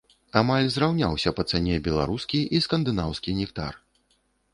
Амаль зраўняўся па цане беларускі і скандынаўскі нектар.